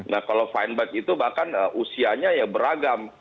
karena fine bike itu bahkan usianya ya beragam